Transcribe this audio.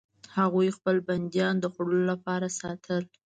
هغوی خپل بندیان د خوړلو لپاره ساتل.